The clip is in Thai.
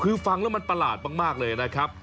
คือฟังแล้วมันประหลาดมากเลยนะครับ